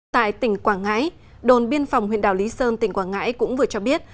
tại tỉnh quảng ngãi đồn biên phòng huyện đảo lý sơn tỉnh quảng ngãi cũng vừa cho biết